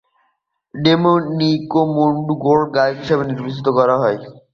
Domenico মডুগ্নোকে গায়ক হিসেবে নির্বাচিত করা হয়।